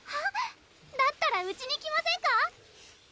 だったらうちに来ませんか？